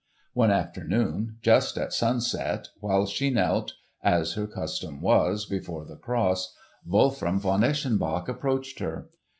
One afternoon just at sunset while she knelt, as her custom was, before the cross, Wolfram von Eschenbach approached her.